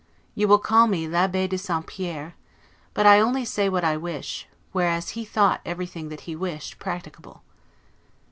You will call me 'l'Abbe de St. Pierre'; but I only say what I wish; whereas he thought everything that he wished practicable.